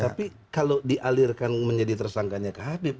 tapi kalau dialirkan menjadi tersangkanya ke habib